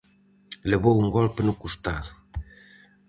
Levou un golpe no costado.